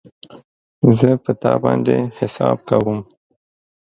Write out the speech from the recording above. زه په تا باندی حساب کوم